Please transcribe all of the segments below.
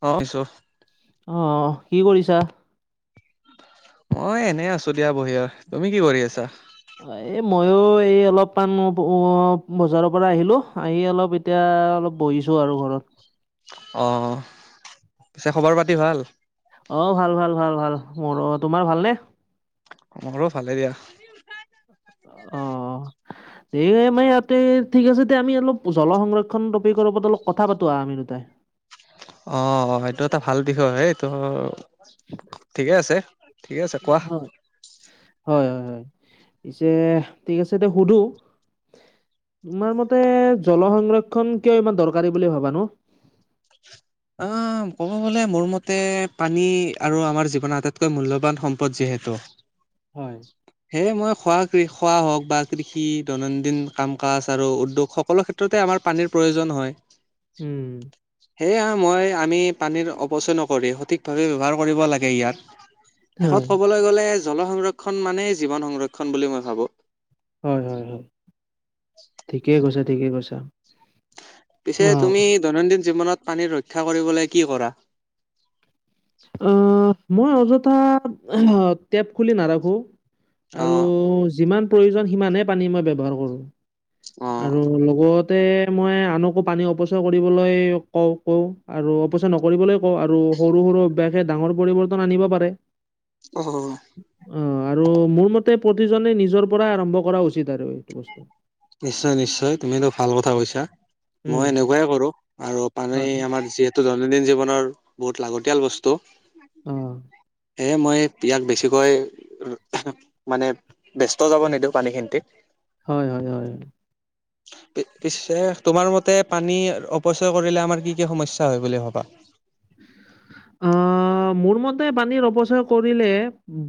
অ' [unintelligible] অ', অ', কি কৰিছা? মই এনে আছোঁ দিয়া বহি আৰ, তুমি কি কৰি আছা? এই ময়ো এই অলপমান অ' বজাৰৰ পৰা আহিলোঁ আহি অলপ এতিয়া অলপ বহিছোঁ আৰু ঘৰত। অ' পিছে খবৰ পাতি ভাল। অ' ভাল ভাল ভাল ভাল মোৰো অ' তোমাৰ ভালনে? মোৰো ভালে দিয়া। অ'। এই [unintelligible] ইয়াতে ঠিক আছে তেতিয়া আমি অলপ জল সংৰক্ষণ টপিকৰ ওপৰত অলপ কথা পাতোঁ আৰু আমি দুটাই। অ' এইটো এটা ভাল বিষয় [unintelligible] ঠিকে আছে ঠিকে আছে কোৱা। হয়, হয় হয় হয়, পিছে ঠিক আছেতে সুধো। তোমাৰ মতে জল সংৰক্ষণ কিয় ইমান দৰকাৰী বুলি ভাবা নো? অ' ক'ব গ'লে মোৰ মতে পানী আৰু আমাৰ জীৱনৰ আটাইতকৈ মূল্যৱান সম্পদ যিহেতু। [inaudible] হয়। সেয়ে মই খোৱা কৃ খোৱা হওঁক বা কৃষি দৈনন্দিন কাম কাজ আৰু উদ্যোগ সকলো ক্ষে ক্ষেত্ৰতে আমাৰ পানীৰ প্ৰয়োজন হয়। উম। সেয়া মই আমি পানীৰ অপচয় নকৰি সঠিকভাৱে ব্যৱহাৰ কৰিব লাগে ইয়াক। হয়, শেষত ক'বলৈ গ'লে জল সংৰক্ষণ মানেই জীৱন সংৰক্ষণ বুলি মই ভাবো। হয়, হয়, হয়, ঠিকেই কৈছা ঠিকেই কৈছা। পিছে অ'। তুমি দৈনন্দিন জীৱনত পানীৰ ৰক্ষা কৰিবলৈ কি কৰা? অহ, মই অযথা টেপ খুলি নাৰাখোঁ। আৰু অ', যিমান প্ৰয়োজন সিমানহে পানী মই ব্যৱহাৰ কৰোঁ। অ'। আৰু লগতে মই আনকো পানী অপচয় কৰিবলৈ কওঁ, কওঁ আৰু অপচয় নকৰিবলৈও কওঁ আৰু সৰু, সৰু [unintelligible] ডাঙৰ পৰিৱৰ্তন আনিব পাৰে। অ'। অ', আৰু মোৰ মতে প্ৰতিজনে নিজৰ পৰাই আৰম্ভ কৰা উচিত আৰু এইটো বস্তু। নিশ্চয়, নিশ্চয় তুমি এইটো ভাল কথা কৈছা। উম। মই এনেকুৱাই কৰোঁ আৰু পানী হয়। আমাৰ যিহে তু দৈনন্দিন জীৱনৰ বহুত লাগতিয়াল বস্তু। অ'। সেয়ে মই ইয়াক বেছিকৈ মানে ব্যস্ত যাব নিদিওঁ পানীখিনতি। হয়, হয়, হয়, হয়। পিছে তোমাৰ মতে পানী অপচয় কৰিলে আমাৰ কি, কি সমস্যা হয় বুলি ভবা? অহ, মোৰ মতে পানীৰ অপচয় কৰিলে,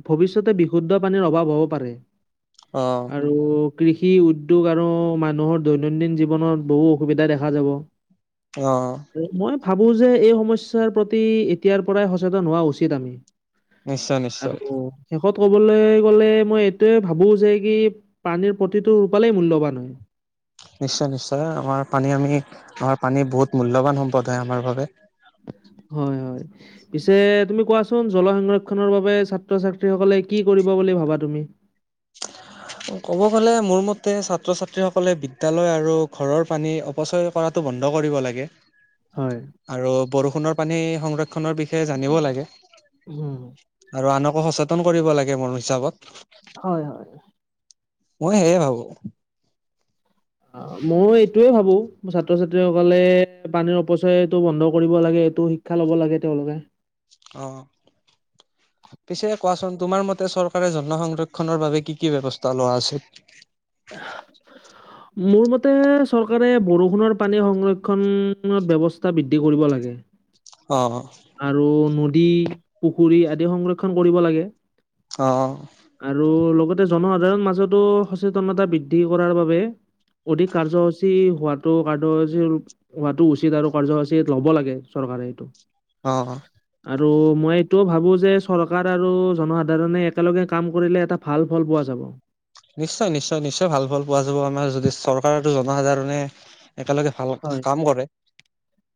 ভৱিষ্যতে বিশুদ্ধ পানীৰ অভাৱ হ'ব পাৰে অ'। আৰু কৃষি উদ্যোগ আৰু মানুহৰ দৈনন্দিন জীৱনত বহু অসুবিধা দেখা যাব। অ'। মই ভাবো যে এই সমস্যাৰ প্ৰতি এতিয়াৰ পৰাই সচেতন হোৱা উচিত আমি। নিশ্চয় নিশ্চয়। আৰু শেষত ক'বলৈ গ'লে মই এইটোৱে ভাবোঁ যে কি পানীৰ প্ৰতিটো ৰূপালেই মূল্যৱান হয়। নিশ্চয়, নিশ্চয় আমাৰ পানী আমি আমাৰ পানী বহুত মূল্যৱান সম্পদ হয়, আমাৰ বাবে। হয়, হয়। পিছে তুমি কোৱাচোন জল সংৰক্ষনৰ বাবে ছাত্ৰ ছাত্ৰীসকলে কি কৰিব বুলি ভাবা তুমি? ক'ব গ'লে মোৰ মতে ছাত্ৰ ছাত্ৰীসকলে বিদ্যালয় আৰু ঘৰৰ পানী অপচয় কৰাতো বন্ধ কৰিব লাগে। হয়। আৰু বৰষুণৰ পানী সংৰক্ষণৰ বিষয়ে জানিব লাগে। হম। আৰু আনকো সচেতন কৰিব লাগে মোৰ হিচাপত। হয়, হয়। মই সেইয়া ভাবো। অ', মই এইটোয়ে ভাবো, ছাত্ৰ ছাত্ৰীসকলে পানীৰ অপচয়টো বন্ধ কৰিব লাগে। এইটো শিক্ষা ল'ব লাগে তেওঁলোকে। অ'। পিছে কোৱাচোন তোমাৰ মতে চৰকাৰে [unintelligible] সংৰক্ষনৰৰ বাবে কি, কি ব্যৱস্থা লোৱা উচিত? [inaudible] মোৰ মতে চৰকাৰে বৰষুণৰ পানী সংৰক্ষণৰ ব্যৱস্থা বৃদ্ধি কৰিব লাগে। অ'। আৰু নদী, পুখুৰী আদি সংৰক্ষণ কৰিব লাগে। অ'। আৰু লগতে জনসাধাৰণৰ মাজতো সচেতনতা বৃদ্ধি কৰাৰ বাবে অধিক কাৰ্যসূচী হোৱাতটো কাৰ্যসূচী হোৱাটো উচিত আৰু কাৰ্যসূচী ল'ব লাগে চৰকাৰে এইটো। অ'। আৰু মই এইটোও ভাবো যে চৰকাৰ আৰু জনসাধাৰণে একেলগে কাম কৰিলে এটা ভাল ফল পোৱা যাব। নিশ্চয়, নিশ্চয়, নিশ্চয় ভাল ফল পোৱা যাব আমাৰ যদি চৰকাৰো জনসাধাৰণে একেলগে ভাল হয় কাম কৰে।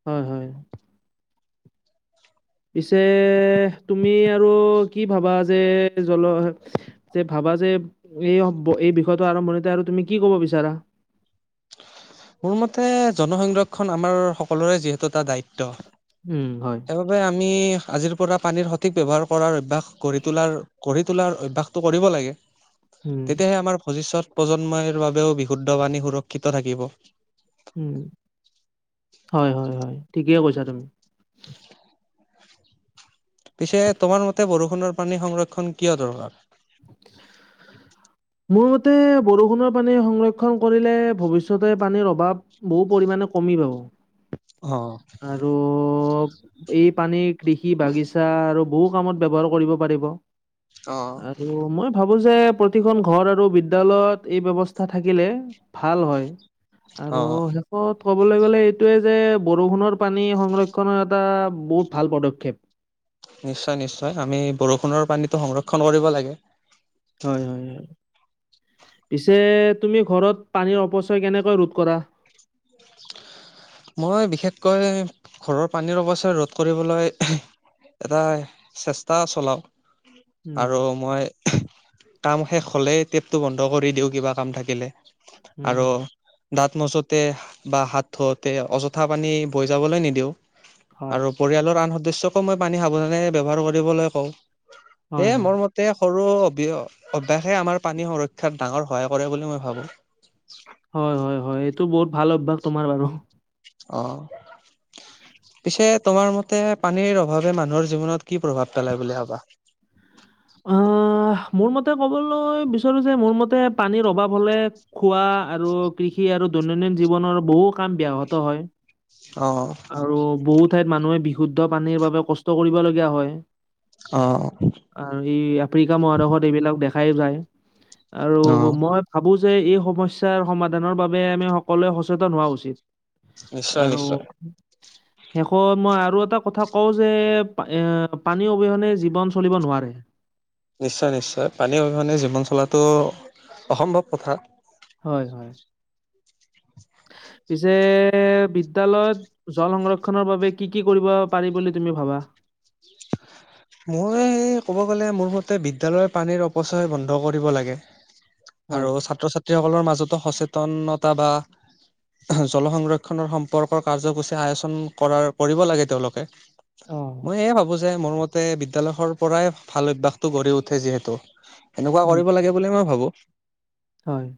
হয়, হয়। পিছে তুমি আৰু কি ভাবা যে জন যে ভাবা যে এই এই বিষয়টো আৰম্ভণিতে আৰু তুমি কি কব বিচাৰা। মোৰ মতে জনসংৰক্ষণ আমাৰ সকলোৰে যিহেতু এটা দায়িত্ব। উম' হয়। সেইবাবে আমি আজিৰ পৰা পানীৰ সঠিক ব্যৱহাৰ কৰাৰ অভ্যাস গঢ়ি তোলাৰ তোলাৰ অভ্্যাসটো কৰিব লাগে উম, তেতিয়াহে আমাৰ ভৱিষ্যত প্ৰজন্মৰ বাবেও বিশুদ্ধ পাণী সুৰক্ষিত থাকিব। হয়, হয়, হয় ঠিকেই কৈছা তুমি। [unintelligible] পিছে তোমাৰ মতে বৰষুণৰ পানী সংৰক্ষণ কিয় দৰকাৰ? [unintelligible] মোৰ মতে বৰষুণৰ পানী সংৰক্ষণ কৰিলে ভৱিষ্যতে পানীৰ অভাৱ বহু পৰিমাণে কমি পাব। অ' আৰু এই পানী কৃষি বাগিচা আৰু ব ত ব্যৱহাৰ কৰিব পাৰিব অ আৰু মই ভাবো যে প্ৰতিখন ঘৰ আৰু বিদ্্যালয়ত এই ব্য্ৱস্থা থাকিলে ভাল হয় আৰু শেষত ক'বলৈ গ'লে এইটোৱে যে বৰষুণৰ পানী সংৰক্ষণৰ এটা বহুত ভাল পদক্ষেপ। নিশ্চয়, নিশ্চয় আমি বৰষুণৰ পানীটো সংৰক্ষণ কৰিব লাগে। হয়, হয়, হয় পিছে তুমি ঘৰত পানীৰ অপচয় কেনেকৈ ৰোধ কৰা? মই বিশেষকৈ ঘৰৰ পানীৰ অৱস্থা ৰোধ কৰিবলৈ এটা চেষ্টা চলাওঁ। উম আৰু মই কাম শেষ হলে টেপটো বন্ধ কৰি দিওঁ কিবা কাম থাকিলে। আৰু উম দাঁত মছতে বা হাত ধওঁতে অযথা পানী বৈ যাবলৈ নিদিওঁ হয় আৰু পৰিয়ালৰ আন সদস্যক মই পানী সাৱধানে ব্য্ৱহাৰ কৰিবলৈ কওঁ। হয় সেয়ে হয় মোৰ মতে সৰু অভ্যাসে আমাৰ পানী সুৰক্ষাত ডাঙৰ সহায় কৰে বুলি মই ভাবোঁ। হয়, হয়, হয় এইটো বহুত ভাল অভ্যাস তোমাৰ বাৰু। অ' পিছে তোমাৰ মতে পানীৰ অভাৱে মানুহৰ জীৱনত কি প্ৰভাৱ পেলাই বুলি ভাবা? আহ' মোৰ মতে কবলৈ বিচাৰো যে মোৰ মতে পানীৰ অভাৱ হলে খোৱা আৰু কৃষি আৰু দৈনন্দিন জীৱনৰ বহু কাম ব্য্য়াহত হয়। অ' আৰু বহু ঠাইত মানুহে বিশুদ্ধ পানীৰ বাবে কষ্ট কৰিবলগীয়া হয়। অ' আৰু ই আফ্ৰিকা মহাদেশত এইবিলাক দেখাই যায়। আৰু অ মই ভাবো যে এই সমস্যাৰ সমাধানৰ বাবে আমি সকলোৱে সচেতন হোৱা উচিত। আৰু উ' শেষত মই আৰু এটা কথা কওঁ যে এ' পানী অবিহনে জীৱন চলিব নোৱাৰে। উ' নিশ্চয়, নিশ্চয় পানীৰ অবিহনে জীৱন চলাটো অসম্ভৱ কথা হয় হয় পিছে, বিদ্যালয়ত জল সংৰক্ষনৰৰ বাবে কি কি কৰিব পাৰি বুলি তুমি ভাবা? মই ক'ব গ'লে, মোৰ মতে বিদ্যালয়ৰ পানীৰ অপচয় বন্ধ কৰিব লাগে। হয়। আৰু ছাত্ৰ ছাত্ৰীসকলৰ মাজতো সচেতনতা বা জল সংৰক্ষণ সম্পৰ্কৰ কাৰ্যসূচী আয়োচন কৰাৰ, কৰিব লাগে তেওঁলোকে। অ'। মই এয়ে ভাবো যে, মোৰ মতে বিদ্যালয়ৰ পৰাই ভাল অভ্যাসতটো গঢ়ি উঠে যিহেতু, এনেকুৱা উম, কৰিব লাগে বুলিয়ে মই ভাবো। হয়,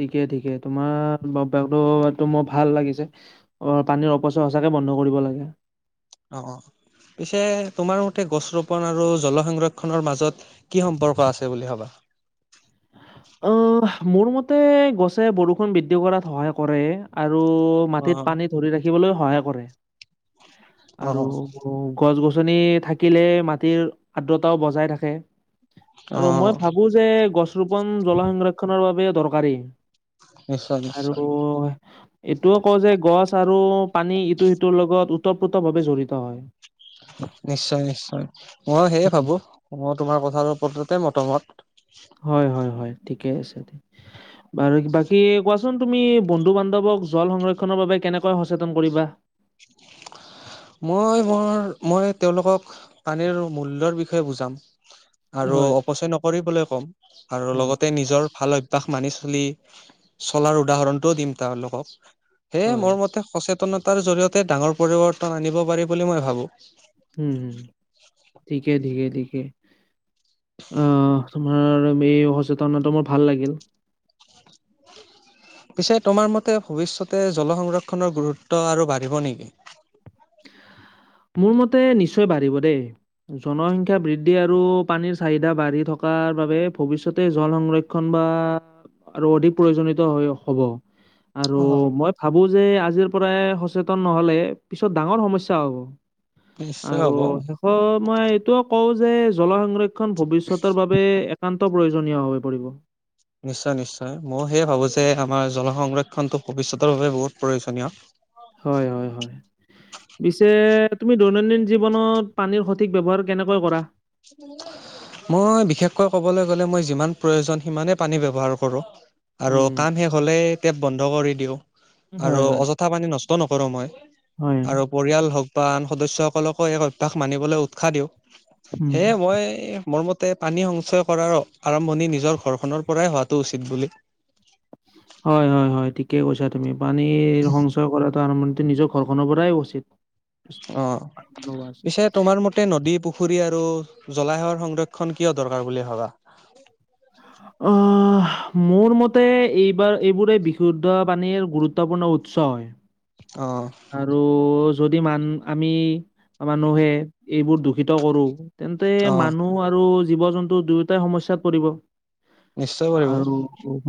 ঠিকে, ঠিকে ল, তোমাৰ বব্যসটো মোৰ ভাল লাগিছে। অ', পানীৰ অপচয় সঁচাকৈ বন্ধ কৰিব লাগে। অ', অ', পিছে তোমাৰ মতে গছ ৰোপন আৰু জল সংৰক্ষণৰ মাজত কি সম্পৰ্ক আছে বুলি ভবা? মোৰ মতে, গছে বৰষুণ বৃদ্ধি কৰাত সহায় কৰে, আৰু মাটিত অ' পানী ধৰি ৰাখিবলৈও সহায় কৰে। আৰু অ' গছ গছনি থাকিলে মাটিৰ আদ্ৰতাও বজাই থাকে, আৰু মই অ' ভাবোঁ বো যে, গছ ৰোপন জল সংৰক্ষনৰৰ বাবে দৰকাৰী। নিশ্চয় আৰু নিশ্চয় এইটোও কওঁ যে, গছ আৰু পানী ইটো সিটোৰ লগত ওতঃপ্ৰোত ভাৱে জড়িত হয়। নিশ্চয়, নিশ্চয়। মইও সেয়ে উম, ভাবো। মই তোমাৰ কথাটোৰ পততে মতামত। হয়, হয়, হয়, ঠিকে আছে দে। [inaudible] বাৰু, বাকী, কোৱাচোন তুমি বন্ধু বান্ধৱক জল সংৰক্ষণৰ বাবে কেনেকৈ সচেতন কৰিবা? মই মোৰ, মই তেওঁলোকক পানীৰ মূল্যৰ বিষয়ে বুজাম। আৰু হয়, অপচয় নকৰিবলৈ ক'ম, আৰু উম, লগতে নিজৰ ভাল অভ কাষ মানি চলি, চলাৰ উদাহৰণটোও দিম তেওঁলোকক। সেয়ে, হয়, মোৰ মতে সচেত। সতনতাৰ জৰিয়তে ডাঙৰ পৰিৱৰ্তন আনিব পাৰি বুলি মই ভাবোঁ। উম, ঠিকে, ঠিকে, ঠিকে। অ', তোমাৰ এই সচেতনটো মোৰ ভাল লাগিল। পিছে তোমাৰ মতে, ভৱিষ্যতে জল সংৰক্ষণৰ গুৰুত্ব আৰু বাঢ়িব নেকি? [inaudible] মোৰ মতে, নিশ্চয় বাঢ়িব দেই। জনসংখ্যা বৃদ্ধি আৰু পানীৰ চাহিদা বাঢ়ি থকাৰ বাবে ভৱিষ্যতে জল সংৰক্ষণ খন বা আৰু অধিক প্ৰয়োজনিত হৈ হ'ব। আৰু অ মই ভাবো যে আজিৰ পৰাই সচেতন নহ'লে পিছত ডাঙৰ সমস্যা হ'ব। নিশ্চয় আৰু হ'ব শেষত মই এইটোও কওঁ যে জল সংৰক্ষণ ভৱিষ্যতৰ বাবে একান্ত প্ৰয়োজনীয় হৈ পৰিব। নিশ্চয়, নিশ্চয়, মইও সেয়ে ভাবোঁ যে আমাৰ জল সংৰক্ষণটো ভৱিষ্যতৰ বাবে বহুত প্ৰয়োজনীয়। হয়, হয়, হয়, পিছে তুমি দৈনন্দিন জীৱনত পানীৰ স সঠিক ব্যৱহাৰ কেনেকৈ কৰা? [unintelligible] মই বিশেষকৈ ক'বলৈ গ'লে, মই যিমান প্ৰয়োজন সিমানেই পানী ব্যৱহাৰ কৰোঁ। আৰু উম, কাম শেষ হ'লে টেপ বন্ধ কৰি দিওঁ আৰু হয়, হয়, অযথা পানী নষ্ট নকৰোঁ মই। হয়, আৰু পৰিয়াল হওঁক বা আন সদস্যসকলকো এই অভ্যাস মানিবলৈ উৎসাহ দিওঁ। উম। সেয়ে, মই মোৰ মত তে পানী সঞ্চয় কৰাৰ আৰম্ভণি নিজৰ ঘৰখনৰ পৰাই হোৱাটো উচিত বুলি হয়, হয়, হয়, ঠিকেই কৈছা তুমি। পানীৰ সঞ্চয় কৰাটো আৰম্ভণিতে নিজৰ ঘৰখনৰ পৰাই উচিত। অ', পিছে তোমাৰ মতে তে নদী, পুখুৰী আৰু জলাশয়ৰ সংৰক্ষণ কিয় দৰকাৰ বুলি ভাবা? অ' মোৰ মতে এইবাৰ এইবোৰে বিশুদ্ধ পানীৰ গুৰুত্বপূৰ্ণ উৎস হয়। অ' আৰু যদি মান আমি মানুহে এইবোৰ দূষিত কৰোঁ। তেন্তে অ', মানুহ আৰু জীৱ জন্তু দুয়োটাই সমস্যয়াত পৰিব। নিশ্চয় কৰিব আৰু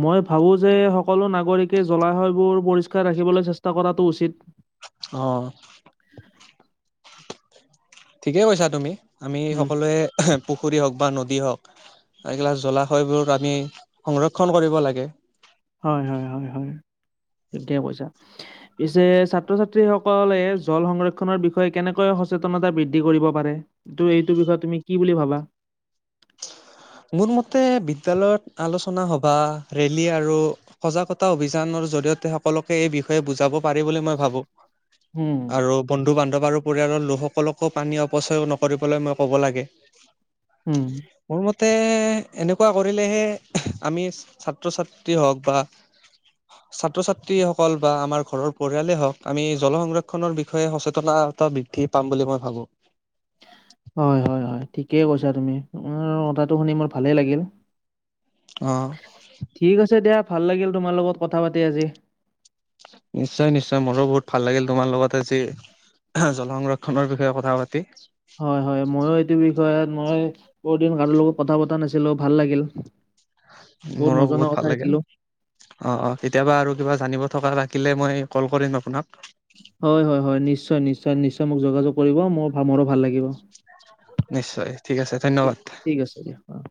মই ভাবোঁ যে সকলো নাগৰিকে জলাশয়বোৰ পৰিষ্কাৰ ৰাখিবলৈ চেষ্টা কৰাটো উচিত। অ' ঠিকেই কৈছা তুমি, আমি উম, সকলোৱে পুখুৰী হওঁক বা নদী হওঁক। এইগিলা জলাশয়বোৰ আমি সংৰক্ষণ কৰিব লাগে। হয় হয় হয় হয় ঠিকে কৈইছা। পিছে ছাত্ৰ ছাত্ৰী সকলে জল সংৰক্ষনৰৰ বিষয়ে কেনেকৈ সচেতনতা বৃদ্ধি কৰিব পাৰে। তুমি এইটো বিষয়ে তুমি কি বুলি ভাবা। মোৰ মতে বিদ্যালয়ত আলোচনা সভা ৰেলী আৰু সজাগতা অভিযানৰ জৰিয়তে সকলোকে এই বিষয়ে বুজাব পাৰি বুলি মই ভাবোঁ। হুম আৰু বন্ধু বান্ধৱ আৰু পৰিয়ালৰ লোকসকলকো পানী অপচয় নকৰিবলৈ মই ক'ব লাগে। উম। মোৰ মতে এনেকুৱা কৰিলেহে আমি ছাত্ৰ ছাত্ৰী হওঁক বা। [unintelligible] ছাত্ৰ ছাত্ৰীসকল বা আমাৰ ঘৰৰ পৰিয়ালেই হওঁক আমি জল সংৰক্ষণৰ বিষয়ে সচেতন টা বি উঠি পাম বুলি মই ভাবোঁ। হয়, হয়, হয় ঠিকেই কৈছা তুমি তাৰ কথাটো শুনি মোৰ ভালেই লাগিল। অহ' ঠিক আছে দিয়া, ভাল লাগিল তোমাৰ লগত কথা পাতি আজি। নিশ্চয়, নিশ্চয় মোৰো বহুত ভাল লাগিল তোমাৰ লগত আজি জল সংৰক্ষণৰ বিষয়ে কথা পাতি। হয়, হয় ময়ো এইটো বিষয়ত মই বহুত দিন কাৰো লগত কথা পতা নাছিলো ভাল লাগিল। বহুত মোৰো নজনা ভাল কথা লাগিল শিকিলোঁ। অ' অ' কেতিয়াবা আৰু কিবা জানিব থকা থাকিলে মই কল কৰিম আপোনাক। হয়, হয়, হয় নিশ্চয়, নিশ্চয়, নিশ্চয় মোক যোগ যোগ কৰিব মোৰ মোৰো ভাল লাগিব। নিশ্চয় ঠিক আছে ধন্যবাদ। ঠিক আছে দিয়া অ'